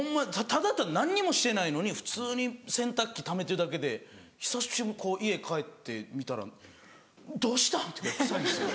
ただただ何にもしてないのに普通に洗濯機ためてるだけで久しぶりに家帰って見たらどうしたん？っていうくらい臭いんですよ。